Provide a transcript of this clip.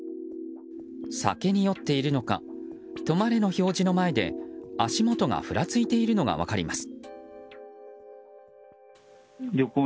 酒に酔っているのか止まれの表示の前で足元がふらついているのが分かります。